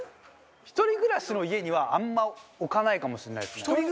一人暮らしの家にはあんまり置かないかもしれないですね。